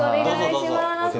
どうぞどうぞ。